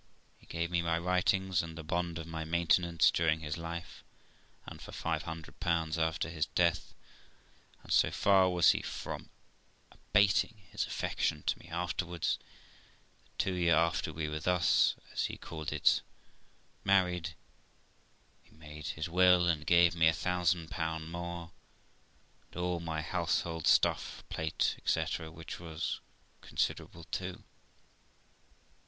He gave me my writings, and the bond for my maintenance during his life and for five hundred pounds after his death. And, so far was he from abating his affection to me afterwards, that two years after we were thus, as he called it, married, he made his will, and gave me a thousand pounds more, and all my household stuff, plate, &c., which was considerable too.